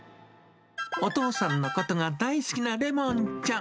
お父さんのことが大好きなレモンちゃん。